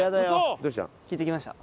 どうしたの？